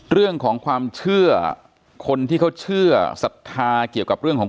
เรื่องของความเชื่อคนที่เขาเชื่อศรัทธาเกี่ยวกับเรื่องของ